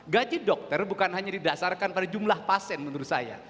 gaji dokter bukan hanya didasarkan pada jumlah pasien menurut saya